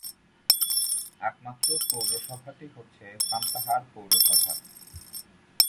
একমাত্র পৌরসভাটি হচ্ছে সান্তাহার পৌরসভা।